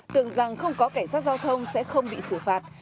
tưởng rằng không có cảnh sát giao thông sẽ không bị xử phạt